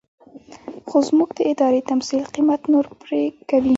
خو زموږ د ارادې تمثيل قيمت نور پرې کوي.